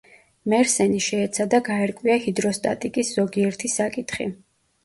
მერსენი შეეცადა გაერკვია ჰიდროსტატიკის ზოგიერთი საკითხი.